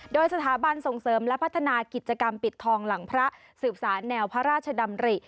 โดยสถาบันส่งเสริมและพัฒนากิจกรรมปิดทองหลังพระสืบสารแนวพระราชดำริ